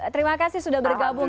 terima kasih sudah bergabung